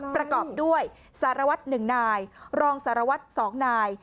ประกอบด้วยสารวัตร๑นายรองสารวัตร๒นาย